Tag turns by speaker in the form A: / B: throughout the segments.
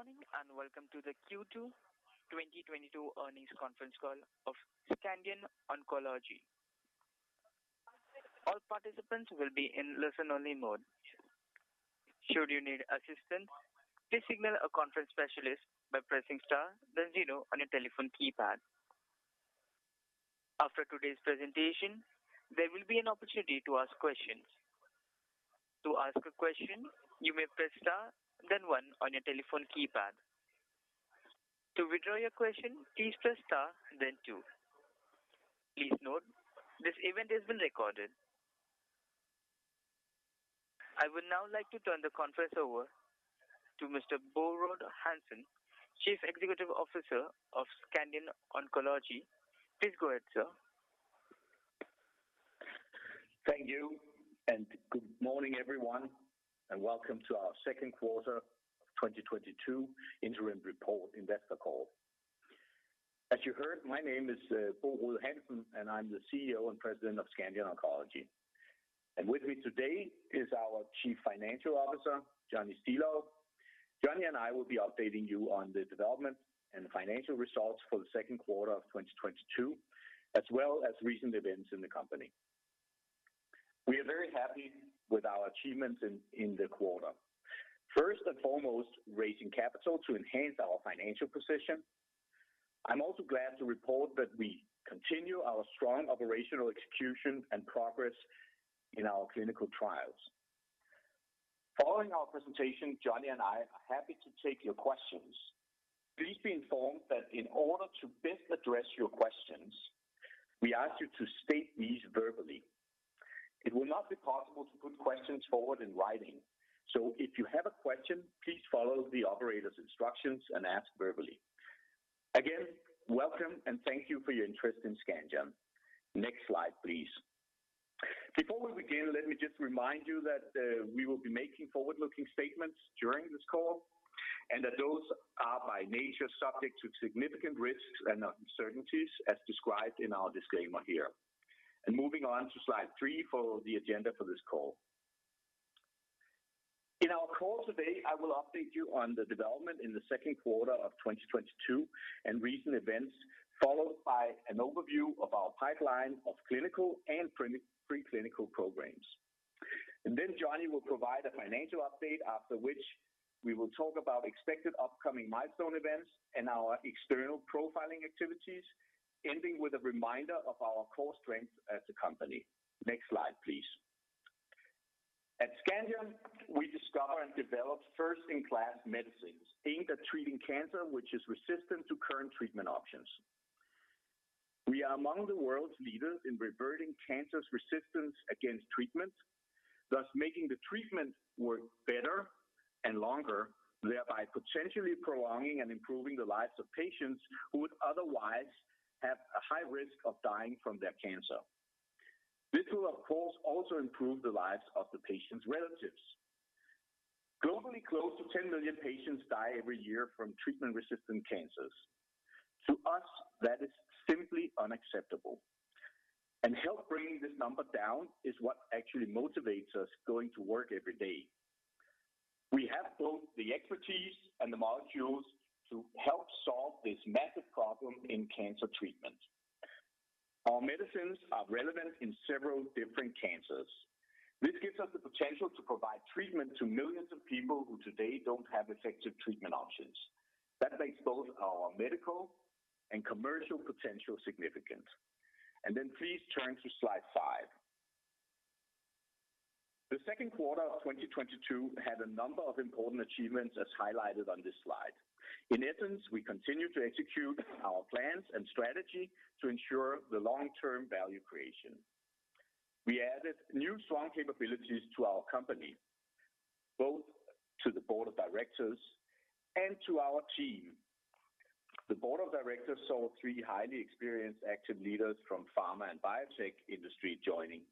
A: Good morning, and welcome to the Q2 2022 earnings conference call of Scandion Oncology. All participants will be in listen-only mode. Should you need assistance, please signal a conference specialist by pressing star then zero on your telephone keypad. After today's presentation, there will be an opportunity to ask questions. To ask a question, you may press star then one on your telephone keypad. To withdraw your question, please press star then two. Please note this event has been recorded. I would now like to turn the conference over to Mr. Bo Rode Hansen, Chief Executive Officer of Scandion Oncology. Please go ahead, sir.
B: Thank you, and good morning, everyone, and welcome to our second quarter of 2022 interim report investor call. As you heard, my name is Bo Rode Hansen, and I'm the CEO and President of Scandion Oncology. With me today is our Chief Financial Officer, Johnny Stilou. Johnny and I will be updating you on the development and financial results for the second quarter of 2022, as well as recent events in the company. We are very happy with our achievements in the quarter. First and foremost, raising capital to enhance our financial position. I'm also glad to report that we continue our strong operational execution and progress in our clinical trials. Following our presentation, Johnny and I are happy to take your questions. Please be informed that in order to best address your questions, we ask you to state these verbally. It will not be possible to put questions forward in writing. So if you have a question, please follow the operator's instructions and ask verbally. Again, welcome and thank you for your interest in Scandion. Next slide, please. Before we begin, let me just remind you that we will be making forward-looking statements during this call and that those are by nature subject to significant risks and uncertainties as described in our disclaimer here. Moving on to slide three for the agenda for this call. In our call today, I will update you on the development in the second quarter of 2022 and recent events, followed by an overview of our pipeline of clinical and preclinical programs. Then Johnny will provide a financial update after which we will talk about expected upcoming milestone events and our external profiling activities, ending with a reminder of our core strengths as a company. Next slide, please. At Scandion, we discover and develop first-in-class medicines aimed at treating cancer which is resistant to current treatment options. We are among the world's leaders in reverting cancer's resistance against treatment, thus making the treatment work better and longer, thereby potentially prolonging and improving the lives of patients who would otherwise have a high risk of dying from their cancer. This will of course, also improve the lives of the patients' relatives. Globally, close to 10 million patients die every year from treatment-resistant cancers. To us, that is simply unacceptable. Help bringing this number down is what actually motivates us going to work every day. We have both the expertise and the molecules to help solve this massive problem in cancer treatment. Our medicines are relevant in several different cancers. This gives us the potential to provide treatment to millions of people who today don't have effective treatment options. That makes both our medical and commercial potential significant. Please turn to slide five. The second quarter of 2022 had a number of important achievements as highlighted on this slide. In essence, we continue to execute our plans and strategy to ensure the long-term value creation. We added new strong capabilities to our company, both to the board of directors and to our team. The board of directors saw three highly experienced active leaders from pharma and biotech industry joining,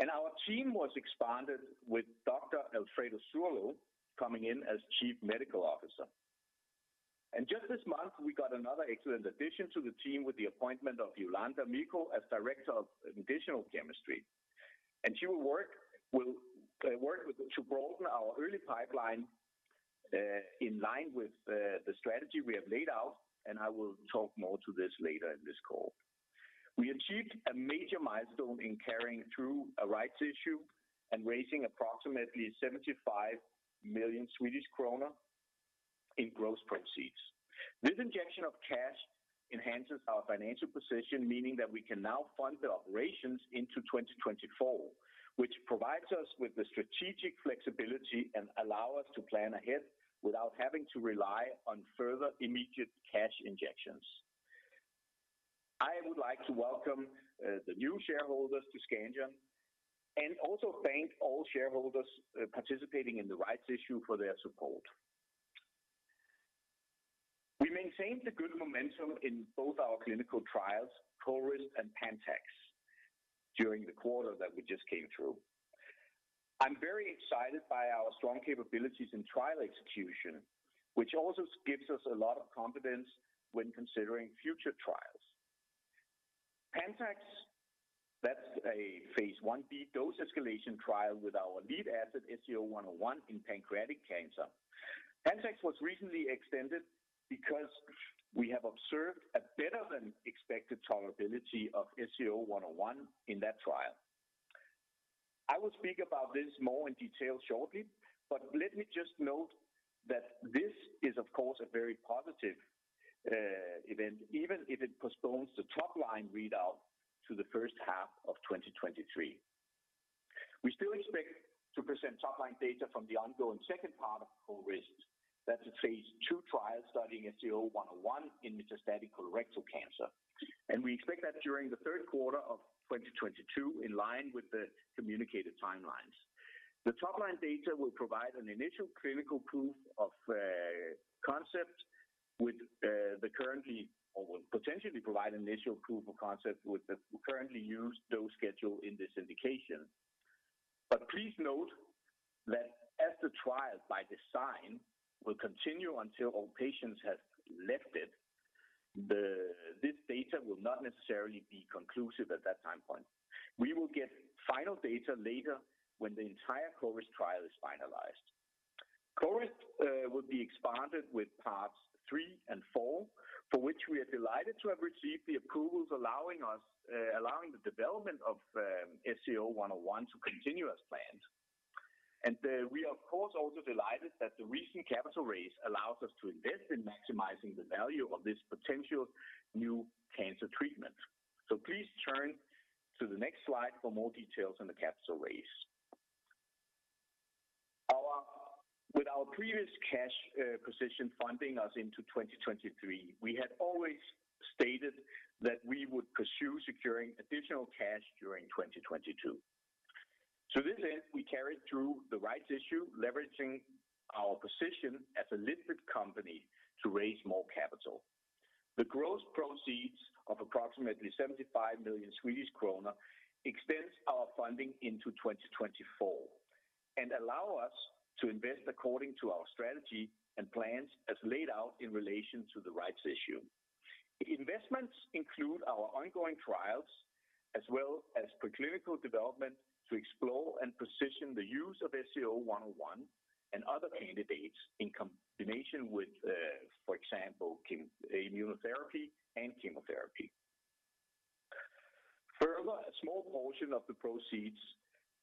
B: and our team was expanded with Dr. Alfredo Zurlo coming in as Chief Medical Officer. Just this month, we got another excellent addition to the team with the appointment of Lolanda Micco as Director of Medicinal Chemistry. She will work with to broaden our early pipeline, in line with the strategy we have laid out, and I will talk more to this later in this call. We achieved a major milestone in carrying through a rights issue and raising approximately 75 million Swedish krona in gross proceeds. This injection of cash enhances our financial position, meaning that we can now fund the operations into 2024, which provides us with the strategic flexibility and allow us to plan ahead without having to rely on further immediate cash injections. I would like to welcome the new shareholders to Scandion and also thank all shareholders participating in the rights issue for their support. We maintained a good momentum in both our clinical trials, CORIST and PANTAX, during the quarter that we just came through. I'm very excited by our strong capabilities in trial execution, which also gives us a lot of confidence when considering future trials. PANTAX, that's a phase Ib dose escalation trial with our lead asset, SCO-101, in pancreatic cancer. PANTAX was recently extended because we have observed a better than expected tolerability of SCO-101 in that trial. I will speak about this more in detail shortly, but let me just note that this is of course a very positive event, even if it postpones the top line readout to the first half of 2023. We still expect to present top line data from the ongoing second part of CORIST. That's a phase II trial studying SCO-101 in metastatic colorectal cancer. We expect that during the third quarter of 2022 in line with the communicated timelines. The top line data will provide an initial clinical proof of concept or will potentially provide initial proof of concept with the currently used dose schedule in this indication. Please note that as the trial by design will continue until all patients have left it, this data will not necessarily be conclusive at that time point. We will get final data later when the entire CORIST trial is finalized. CORIST will be expanded with parts three and four, for which we are delighted to have received the approvals allowing the development of SCO-101 to continue as planned. We of course also delighted that the recent capital raise allows us to invest in maximizing the value of this potential new cancer treatment. Please turn to the next slide for more details on the capital raise. With our previous cash position funding us into 2023, we had always stated that we would pursue securing additional cash during 2022. To this end, we carried through the rights issue, leveraging our position as a listed company to raise more capital. The gross proceeds of approximately 75 million Swedish krona extends our funding into 2024, and allow us to invest according to our strategy and plans as laid out in relation to the rights issue. Investments include our ongoing trials as well as preclinical development to explore and position the use of SCO-101 and other candidates in combination with, for example, immunotherapy and chemotherapy. Further, a small portion of the proceeds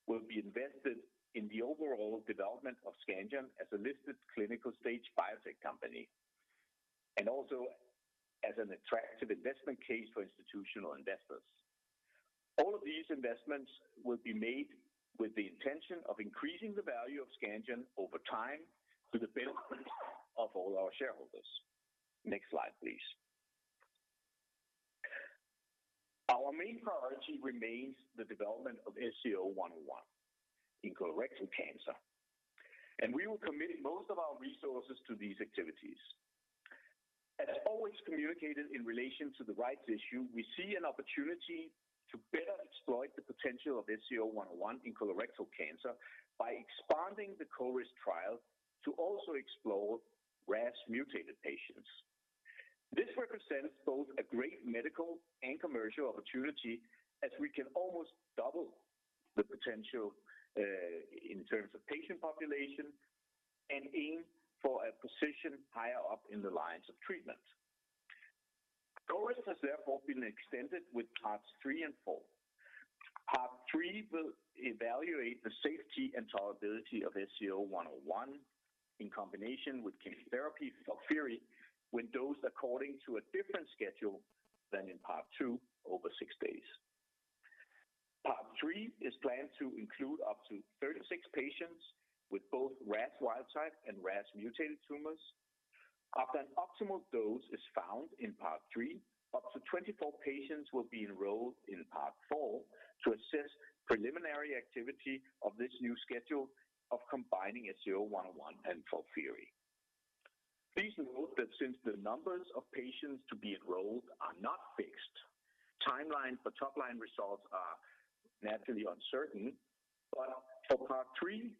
B: will be invested in the overall development of Scandion as a listed clinical-stage biotech company, and also as an attractive investment case for institutional investors. All of these investments will be made with the intention of increasing the value of Scandion over time to the benefit of all our shareholders. Next slide, please. Our main priority remains the development of SCO-101 in colorectal cancer, and we will commit most of our resources to these activities. As always communicated in relation to the rights issue, we see an opportunity to better exploit the potential of SCO-101 in colorectal cancer by expanding the CORIST trial to also explore RAS-mutated patients. This represents both a great medical and commercial opportunity as we can almost double the potential, in terms of patient population and aim for a position higher up in the lines of treatment. CORIST has therefore been extended with parts three and four. Part three will evaluate the safety and tolerability of SCO-101 in combination with chemotherapy FOLFIRI, when dosed according to a different schedule than in part two over six days. Part three is planned to include up to 36 patients with both RAS wild-type and RAS mutated tumors. After an optimal dose is found in part three, up to 24 patients will be enrolled in part four to assess preliminary activity of this new schedule of combining SCO-101 and FOLFIRI. Please note that since the numbers of patients to be enrolled are not fixed, timelines for top-line results are naturally uncertain. For part three,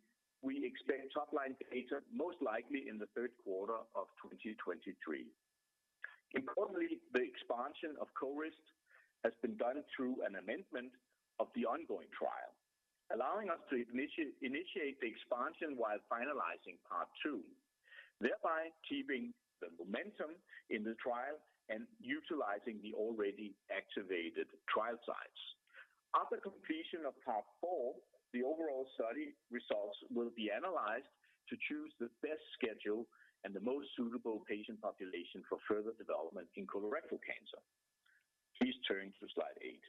B: we expect top-line data most likely in the third quarter of 2023. Importantly, the expansion of CORIST has been done through an amendment of the ongoing trial, allowing us to initiate the expansion while finalizing part two, thereby keeping the momentum in the trial and utilizing the already activated trial sites. After completion of part four, the overall study results will be analyzed to choose the best schedule and the most suitable patient population for further development in colorectal cancer. Please turn to slide eight.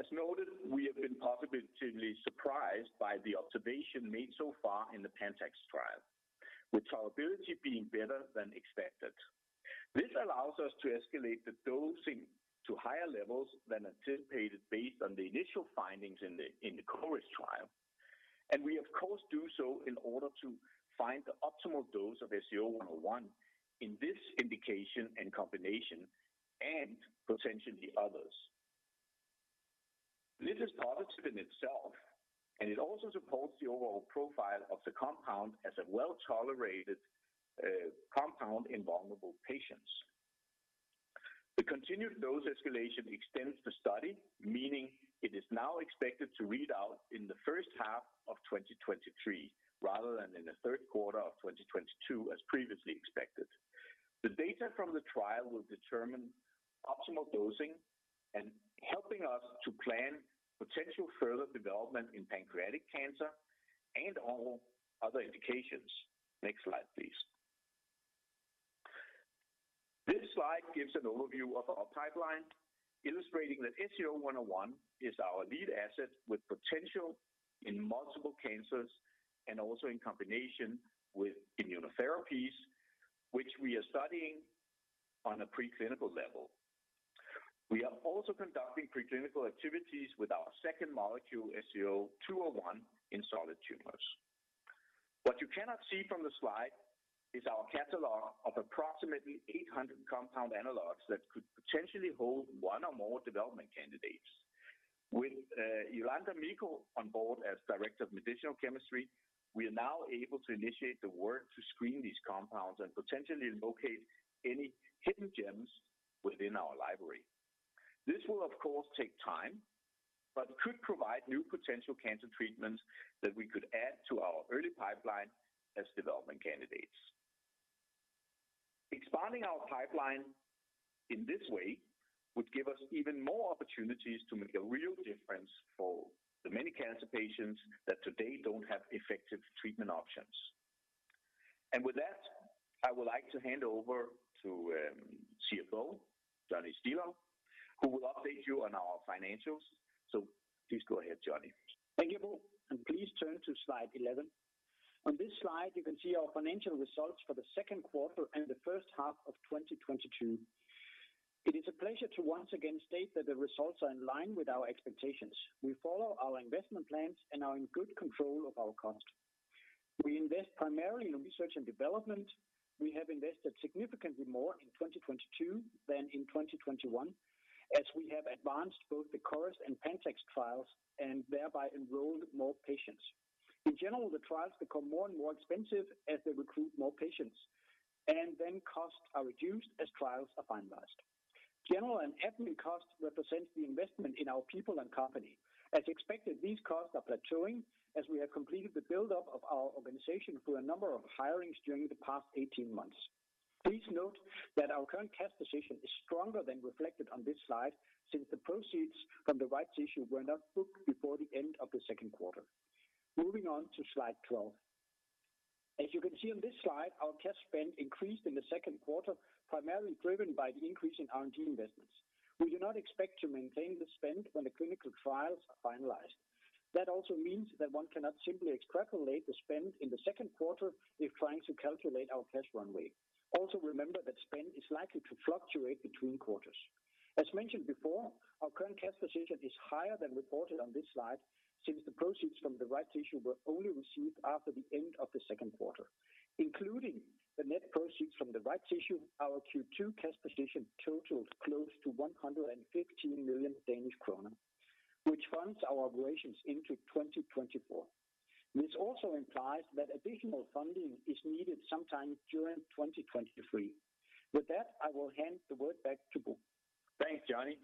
B: As noted, we have been positively surprised by the observation made so far in the PANTAX trial, with tolerability being better than expected. This allows us to escalate the dosing to higher levels than anticipated based on the initial findings in the CORIST trial. We of course do so in order to find the optimal dose of SCO-101 in this indication and combination and potentially others. This is positive in itself, and it also supports the overall profile of the compound as a well-tolerated compound in vulnerable patients. The continued dose escalation extends the study, meaning it is now expected to read out in the first half of 2023 rather than in the third quarter of 2022 as previously expected. The data from the trial will determine optimal dosing and helping us to plan potential further development in pancreatic cancer and all other indications. Next slide, please. This slide gives an overview of our pipeline, illustrating that SCO-101 is our lead asset with potential in multiple cancers and also in combination with immunotherapies, which we are studying on a preclinical level. We are also conducting preclinical activities with our second molecule, SCO-201, in solid tumors. What you cannot see from the slide is our catalog of approximately 800 compound analogs that could potentially hold one or more development candidates. With Lolanda Micco on board as Director of Medicinal Chemistry, we are now able to initiate the work to screen these compounds and potentially locate any hidden gems within our library. This will of course take time, but could provide new potential cancer treatments that we could add to our early pipeline as development candidates. Expanding our pipeline in this way would give us even more opportunities to make a real difference for the many cancer patients that today don't have effective treatment options. With that, I would like to hand over to CFO Johnny Stilou, who will update you on our financials. Please go ahead, Johnny.
C: Thank you, Bo, and please turn to slide 11. On this slide, you can see our financial results for the second quarter and the first half of 2022. It is a pleasure to once again state that the results are in line with our expectations. We follow our investment plans and are in good control of our cost. We invest primarily in research and development. We have invested significantly more in 2022 than in 2021, as we have advanced both the CORIST and PANTAX trials and thereby enrolled more patients. In general, the trials become more and more expensive as they recruit more patients, and then costs are reduced as trials are finalized. General and admin costs represent the investment in our people and company. As expected, these costs are plateauing as we have completed the buildup of our organization through a number of hirings during the past 18 months. Please note that our current cash position is stronger than reflected on this slide, since the proceeds from the rights issue were not booked before the end of the second quarter. Moving on to slide 12. As you can see on this slide, our cash spend increased in the second quarter, primarily driven by the increase in R&D investments. We do not expect to maintain the spend when the clinical trials are finalized. That also means that one cannot simply extrapolate the spend in the second quarter if trying to calculate our cash runway. Also remember that spend is likely to fluctuate between quarters. As mentioned before, our current cash position is higher than reported on this slide, since the proceeds from the rights issue were only received after the end of the second quarter. Including the net proceeds from the rights issue, our Q2 cash position totals close to 115 million Danish kroner, which funds our operations into 2024. This also implies that additional funding is needed sometime during 2023. With that, I will hand the word back to Bo.
B: Thanks, Johnny,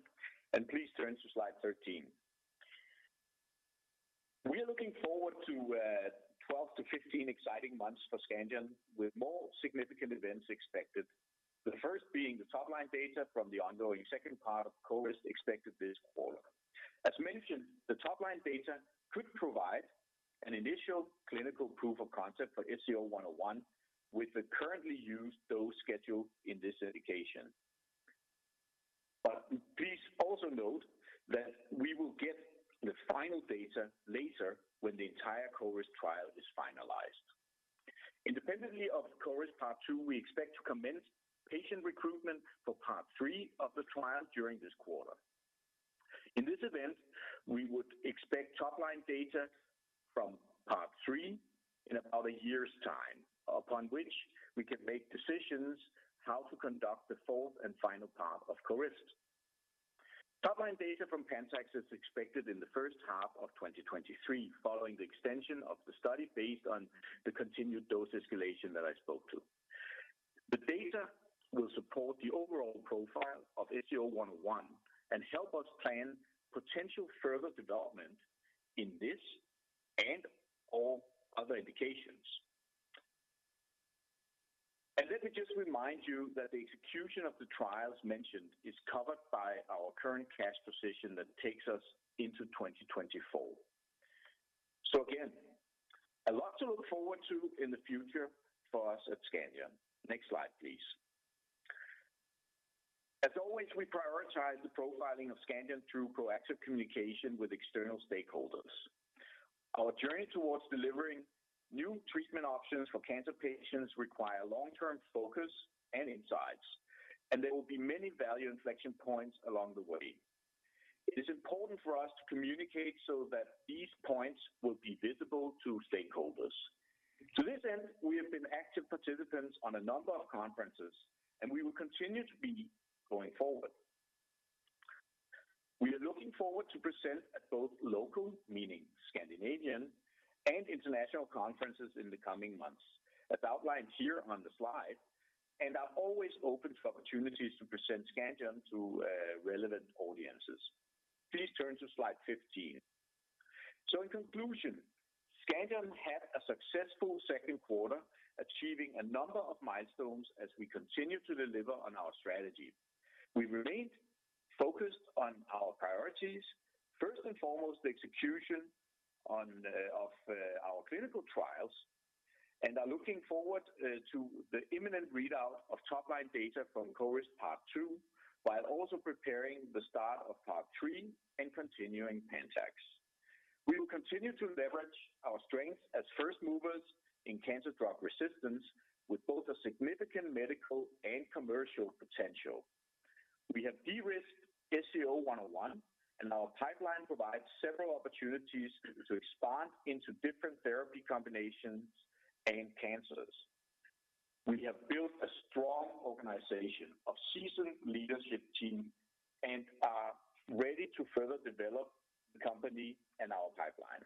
B: and please turn to slide 13. We are looking forward to 12-15 exciting months for Scandion, with more significant events expected. The first being the top-line data from the ongoing second part of CORIST expected this quarter. As mentioned, the top-line data could provide an initial clinical proof of concept for SCO-101 with the currently used dose schedule in this indication. Please also note that we will get the final data later when the entire CORIST trial is finalized. Independently of CORIST part two, we expect to commence patient recruitment for part three of the trial during this quarter. In this event, we would expect top-line data from part three in about a year's time, upon which we can make decisions how to conduct the fourth and final part of CORIST. Top-line data from PANTAX is expected in the first half of 2023, following the extension of the study based on the continued dose escalation that I spoke to. The data will support the overall profile of SCO-101 and help us plan potential further development in this and all other indications. Let me just remind you that the execution of the trials mentioned is covered by our current cash position that takes us into 2024. Again, a lot to look forward to in the future for us at Scandion Oncology. Next slide, please. As always, we prioritize the profiling of Scandion Oncology through proactive communication with external stakeholders. Our journey towards delivering new treatment options for cancer patients require long-term focus and insights, and there will be many value inflection points along the way. It is important for us to communicate so that these points will be visible to stakeholders. To this end, we have been active participants on a number of conferences, and we will continue to be going forward. We are looking forward to present at both local, meaning Scandinavian and international conferences in the coming months, as outlined here on the slide, and are always open to opportunities to present Scandion to relevant audiences. Please turn to slide 15. In conclusion, Scandion had a successful second quarter, achieving a number of milestones as we continue to deliver on our strategy. We remained focused on our priorities, first and foremost, the execution of our clinical trials and are looking forward to the imminent readout of top line data from CORIST part two, while also preparing the start of part three and continuing PANTAX. We will continue to leverage our strengths as first movers in cancer drug resistance with both a significant medical and commercial potential. We have de-risked SCO-101 and our pipeline provides several opportunities to expand into different therapy combinations and cancers. We have built a strong organization of seasoned leadership team and are ready to further develop the company and our pipeline.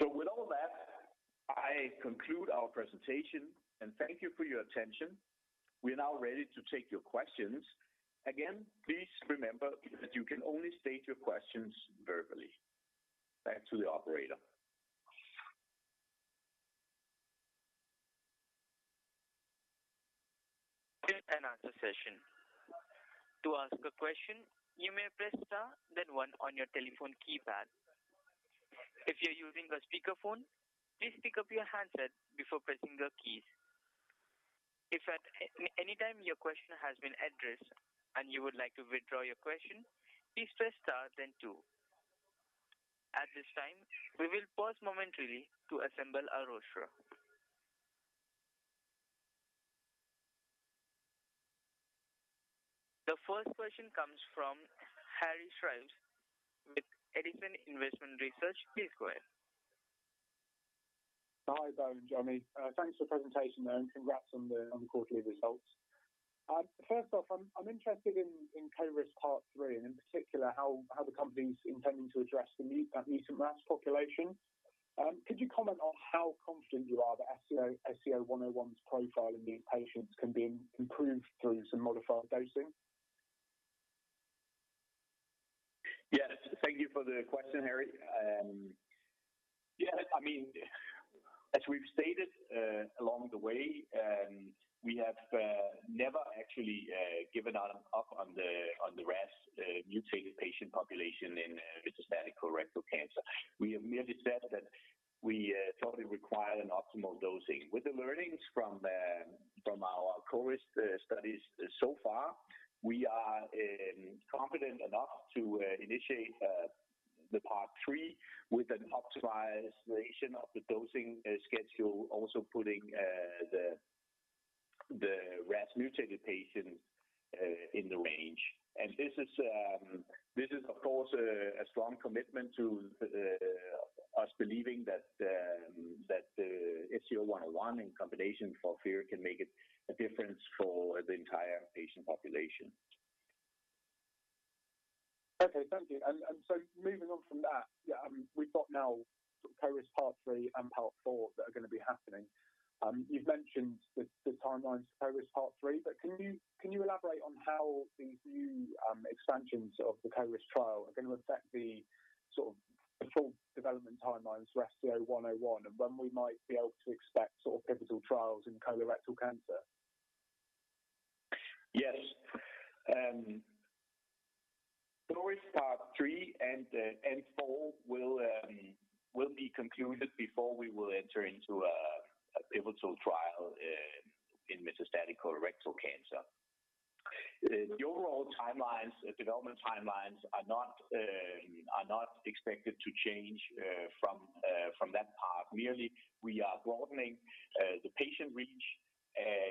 B: With all that, I conclude our presentation and thank you for your attention. We are now ready to take your questions. Again, please remember that you can only state your questions verbally. Back to the operator.
A: Q&A session. To ask a question, you may press star then one on your telephone keypad. If you're using a speakerphone, please pick up your handset before pressing the keys. If at any time your question has been addressed and you would like to withdraw your question, please press star then two. At this time, we will pause momentarily to assemble our roster. The first question comes from Harry Shrives with Edison Investment Research. Please go ahead.
D: Hi, Bo and Johnny. Thanks for presentation and congrats on the quarterly results. First off, I'm interested in CORIST part three and in particular how the company's intending to address the mutant RAS population. Could you comment on how confident you are that SCO-101's profile in these patients can be improved through some modified dosing?
B: Yes, thank you for the question, Harry. Yeah, I mean, as we've stated, along the way, we have never actually given up on the RAS mutated patient population in metastatic colorectal cancer. We have merely said that we totally require an optimal dosing. With the learnings from our CORIST studies so far, we are confident enough to initiate the part three with an optimization of the dosing schedule, also putting the RAS mutated patients in the range. This is of course a strong commitment to us believing that the SCO-101 in combination FOLFIRI can make a difference for the entire patient population.
D: Okay. Thank you. Moving on from that, yeah, we've got now CORIST part three and part four that are gonna be happening. You've mentioned the timelines for CORIST part three, but can you elaborate on how the new expansions of the CORIST trial are gonna affect the sort of full development timelines for SCO-101 and when we might be able to expect sort of pivotal trials in colorectal cancer?
B: Yes. CORIST part three and four will be concluded before we will enter into a pivotal trial in metastatic colorectal cancer. The overall timelines, development timelines are not expected to change from that part. Merely we are broadening the patient reach,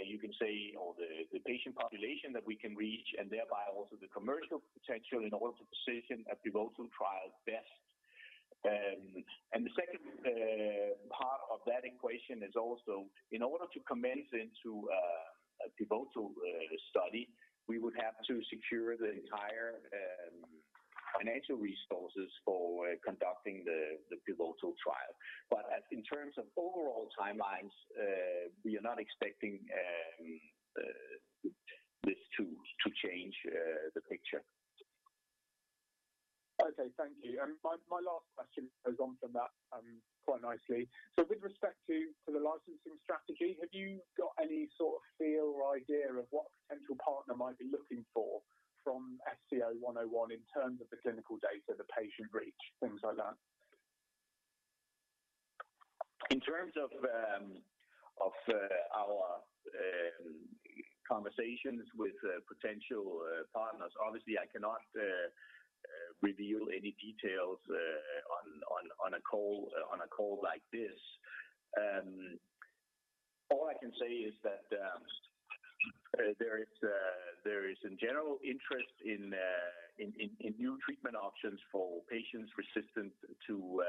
B: you can say or the patient population that we can reach and thereby also the commercial potential in order to position a pivotal trial best. The second part of that equation is also in order to commence into a pivotal study, we would have to secure the entire financial resources for conducting the pivotal trial. As in terms of overall timelines, we are not expecting this to change the picture.
D: Okay. Thank you. My last question goes on from that, quite nicely. With respect to the licensing strategy, have you got any sort of feel or idea of what a potential partner might be looking for from SCO-101 in terms of the clinical data, the patient reach, things like that?
B: In terms of our conversations with potential partners, obviously I cannot reveal any details on a call like this. All I can say is that there is, in general, interest in new treatment options for patients resistant to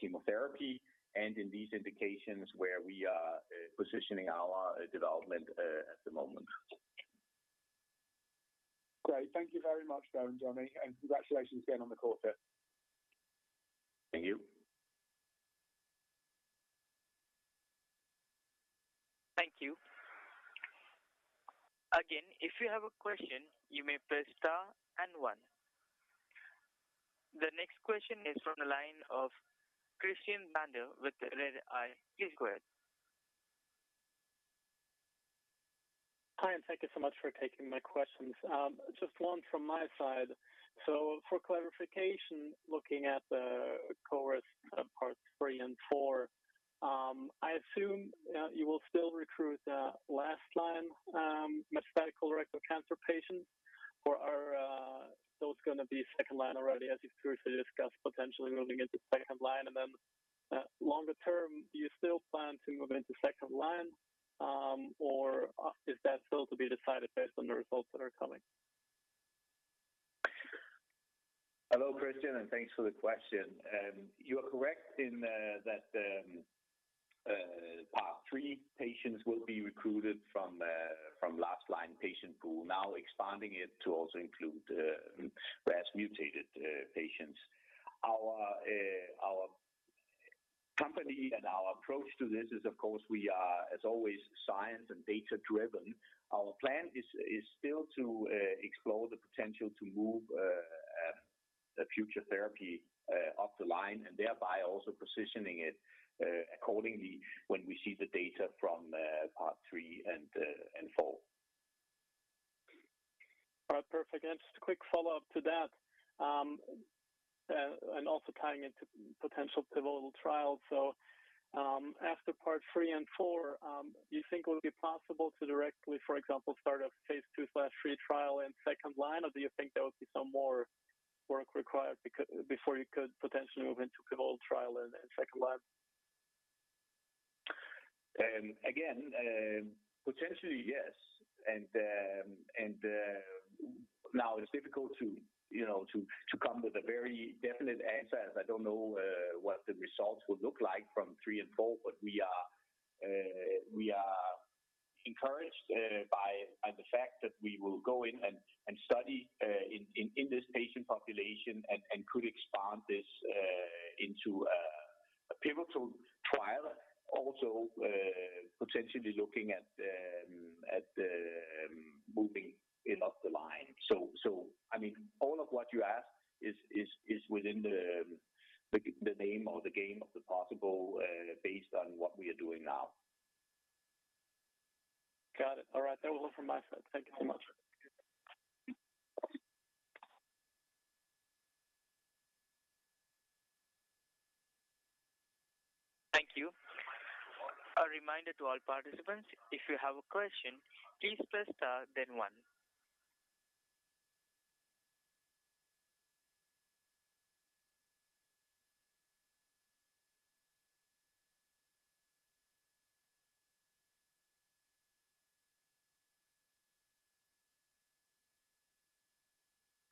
B: chemotherapy and in these indications where we are positioning our development at the moment.
D: Great. Thank you very much, Bo and Johnny, and congratulations again on the call today.
B: Thank you.
A: Thank you. Again, if you have a question, you may press star and one. The next question is from the line of Christian Binder with Redeye AB.
E: Hi, and thank you so much for taking my questions. Just one from my side. For clarification, looking at the CORIST parts three and four, I assume you will still recruit last line metastatic colorectal cancer patients or are those gonna be second line already as you previously discussed, potentially moving into second line. Then, longer term, do you still plan to move into second line or is that still to be decided based on the results that are coming?
B: Hello, Christian, and thanks for the question. You are correct in that part three patients will be recruited from last line patient pool, now expanding it to also include RAS mutated patients. Our company and our approach to this is of course we are as always science and data-driven. Our plan is still to explore the potential to move the future therapy up the line and thereby also positioning it accordingly when we see the data from part three and four.
E: All right. Perfect. Just a quick follow-up to that, and also tying into potential pivotal trials. After part three and four, do you think it will be possible to directly, for example, start a Phase II/III trial in second line? Or do you think there will be some more work required before you could potentially move into pivotal trial in second line?
B: Again, potentially, yes. Now it's difficult to, you know, to come with a very definite answer as I don't know what the results will look like from three and four. We are encouraged by the fact that we will go in and study in this patient population and could expand this into a pivotal trial also, potentially looking at moving it up the line. I mean, all of what you ask is within the name of the game of the possible, based on what we are doing now.
E: Got it. All right. That was all from my side. Thank you so much.
A: Thank you. A reminder to all participants, if you have a question, please press star then one.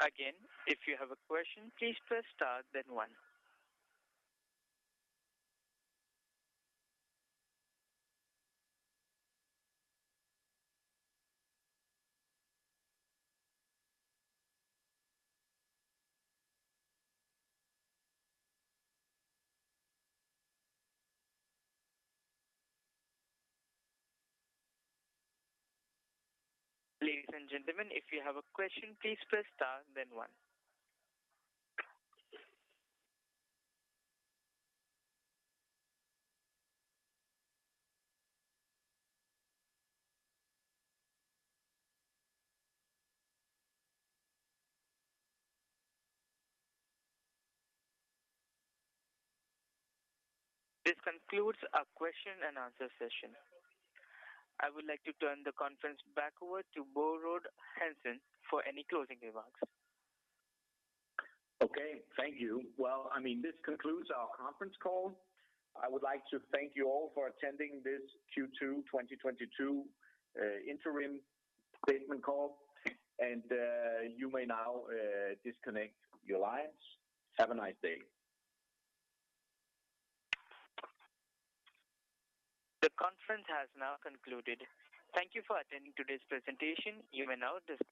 A: Again, if you have a question, please press star then one. Ladies and gentlemen, if you have a question, please press star then one. This concludes our question and answer session. I would like to turn the conference back over to Bo Rode Hansen for any closing remarks.
B: Okay. Thank you. Well, I mean, this concludes our conference call. I would like to thank you all for attending this Q2 2022 interim statement call. You may now disconnect your lines. Have a nice day.
A: The conference has now concluded. Thank you for attending today's presentation. You may now dis-.